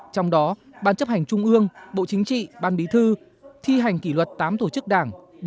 trong đó ban chấp hành trung ương bộ chính trị ban bí thư thi hành kỷ luật tám tổ chức đảng